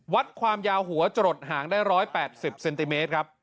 วัดความยาวหัวจรดห่างได้๑๘๐เซนติเมตรครับ